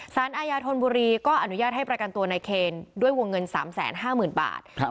สารอายาธนบุรีก็อนุญาตให้ประกันตัวนายเคนด้วยวงเงินสามแสนห้าหมื่นบาทครับ